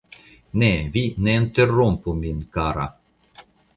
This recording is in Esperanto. Ne, vi ne interrompu min, kara !